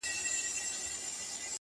پاڅه چي ځو ترې _ ه ياره _